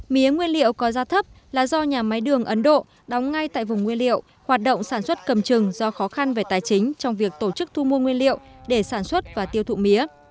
mía nguyên liệu có giá thấp là do nhà máy đường ấn độ đóng ngay tại vùng nguyên liệu hoạt động sản xuất cầm trừng do khó khăn về tài chính trong việc tổ chức thu mua nguyên liệu để sản xuất và tiêu thụ mía